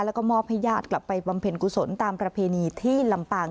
แล้วก็มอบให้ญาติกลับไปบำเพ็ญกุศลตามประเพณีที่ลำปาง